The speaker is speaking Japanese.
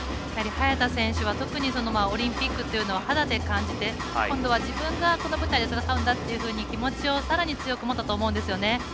早田選手は特にオリンピックというのを肌で感じて、次は自分がこの舞台で戦うんだというふうに気持ちをさらに強く持ったと思うんですよね。